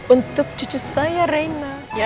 untuk cucu saya reina